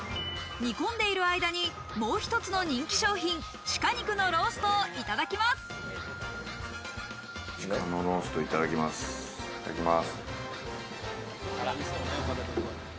煮込んでいる間にもう一つの人気商品、鹿肉のローストをいただき鹿のロースト、いただきます。